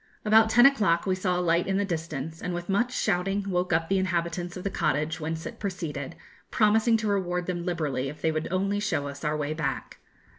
About ten o'clock we saw a light in the distance, and with much shouting woke up the inhabitants of the cottage whence it proceeded, promising to reward them liberally if they would only show us our way back.